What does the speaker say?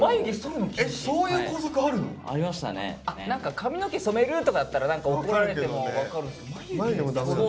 何か髪の毛染めるとかだったら何か怒られても分かるんですけど眉毛。